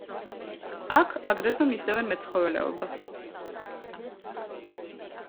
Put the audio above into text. აქ აგრეთვე მისდევენ მეცხოველეობას.